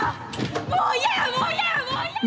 もう嫌やもう嫌やもう嫌や！